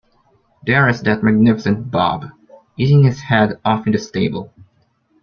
There is that magnificent Bob, eating his head off in the stable.